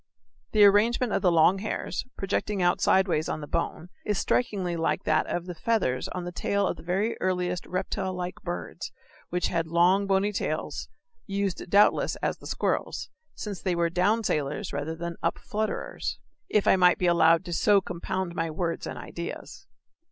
The arrangement of the long hairs, projecting out sidewise on the bone, is strikingly like that of the feathers on the tail of the very earliest reptile like birds which had long bony tails, used doubtless as the squirrel's, since they were down sailers rather than up flutterers if I may be allowed to so compound my words and ideas.